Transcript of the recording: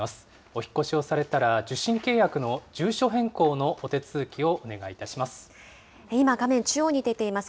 お引っ越しをされたら受信契約の住所変更のお手続きをお願いいたします。